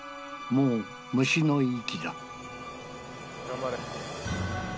もう虫の息だ